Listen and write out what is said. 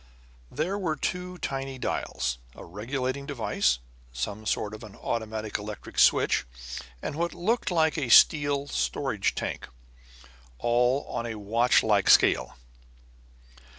There were two tiny dials, a regulating device, some sort of an automatic electric switch, and what looked like a steel storage tank; all on a watchlike scale.